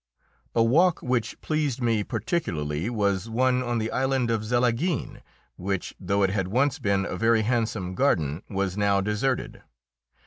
A walk which pleased me particularly was one on the island of Zelaguin, which, though it had once been a very handsome garden, was now deserted.